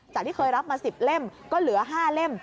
ที่เคยรับมา๑๐เล่มก็เหลือ๕เล่ม